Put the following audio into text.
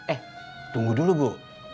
eh tunggu dulu bu